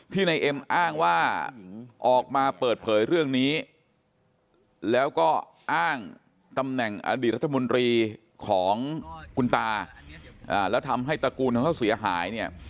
ในเอ็มอ้างว่าออกมาเปิดเผยเรื่องนี้แล้วก็อ้างตำแหน่งอดีตรัฐมนตรีของคุณตาแล้วทำให้ตระกูลของเขาเสียหายเนี่ย